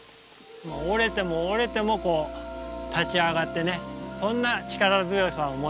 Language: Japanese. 折れても折れてもこう立ち上がってねそんな力強さを持っている木なんですよ